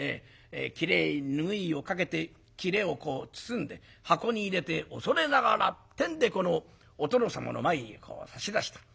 きれいに拭いをかけてきれをこう包んで箱に入れて「恐れながら」ってんでこのお殿様の前へ差し出した。